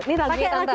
ini lagunya tante